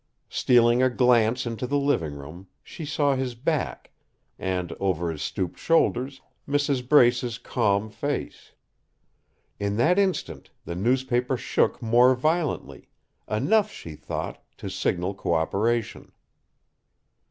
Stealing a glance into the living room, she saw his back and, over his stooped shoulders, Mrs. Brace's calm face. In that instant, the newspaper shook more violently enough, she thought, to signal cooperation.